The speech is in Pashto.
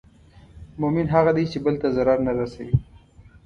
مؤمن هغه دی چې بل ته ضرر نه رسوي.